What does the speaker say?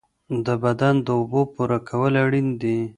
د بدن د اوبو پوره کول اړین دي.